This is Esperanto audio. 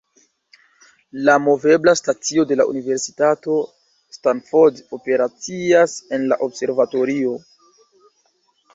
La movebla stacio de la Universitato Stanford operacias en la observatorio.